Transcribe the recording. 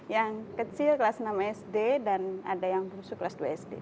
yang kecil kelas enam sd dan ada yang bungsu kelas dua sd